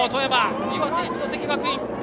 岩手・一関学院。